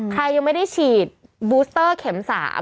ใครยังไม่ได้ฉีดบูสเตอร์เข็ม๓